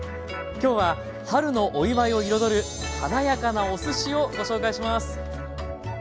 今日は春のお祝いを彩る華やかなおすしをご紹介します。